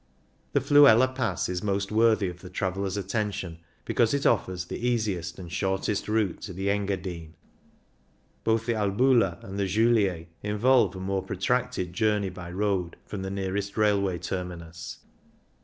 The Fluela Pass is most worthy of the traveller's attention because it offers the easiest and shortest route to the Engadine; both the Albula and the Julier involve a more protracted journey by road from the nearest railway terminus.